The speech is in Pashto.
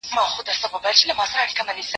موږ چي غلا شروع کړه، بيا سپوږمۍ راوخته.